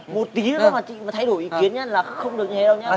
một tí nữa mà chị thay đổi ý kiến nhá là không được như thế đâu